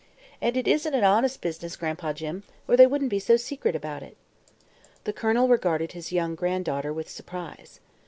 And it isn't an honest business, Gran'pa Jim, or they wouldn't be so secret about it." The Colonel regarded his young granddaughter with surprise.